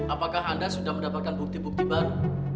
apakah anda sudah mendapatkan bukti bukti baru